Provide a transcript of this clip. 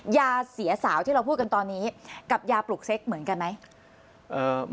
ยาเสียสาวที่เราพูดกันตอนนี้กับยาปลุกเซ็กเหมือนกันไหม